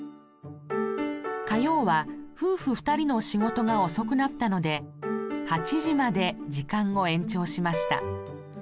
火曜は夫婦２人の仕事が遅くなったので８時まで時間を延長しました。